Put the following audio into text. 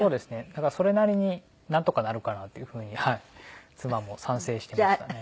だからそれなりになんとかなるかなっていうふうに妻も賛成していましたね。